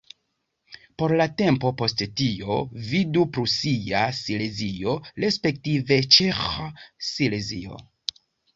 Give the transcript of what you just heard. Por la tempo post tio, vidu: Prusia Silezio respektive Ĉeĥa Silezio.